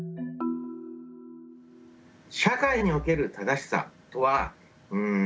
社会における「正しさ」とはん